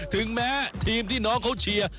ถึงแม้ทีมที่น้องเขาเชียร์